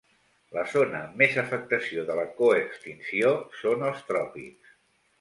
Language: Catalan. La zona amb més afectació de la coextinció són els tròpics.